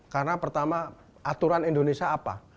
karena pertama aturan indonesia apa